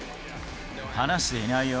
話していないよ。